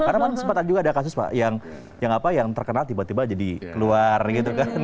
karena kan sempat juga ada kasus pak yang terkenal tiba tiba jadi keluar gitu kan